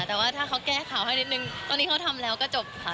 แต่ว่าถ้าเขาแก้ข่าวให้นิดนึงตอนนี้เขาทำแล้วก็จบค่ะ